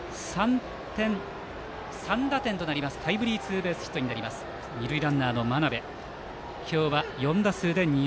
３打点となります、タイムリーツーベースヒットになった二塁ランナーの真鍋。